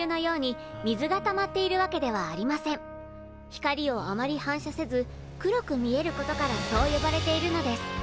光をあまり反射せず黒く見えることからそう呼ばれているのです。